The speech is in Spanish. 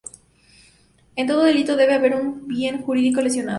En todo delito debe haber un bien jurídico lesionado.